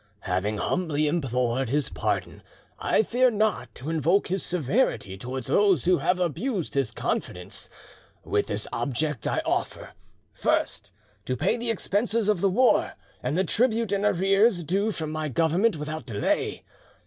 Having humbly implored his pardon, I fear not to invoke his severity towards those who have abused his confidence. With this object I offer—First, to pay the expenses of the war and the tribute in arrears due from my Government without delay.